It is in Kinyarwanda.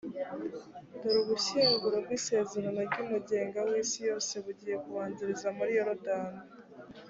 dore ubushyinguro bw’isezerano ry’umugenga w’isi yose bugiye kubabanziriza muri yorudani.